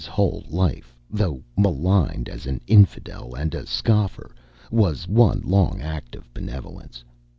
His whole life, though maligned as an Infidel and a scoffer, was one long act of benevolence.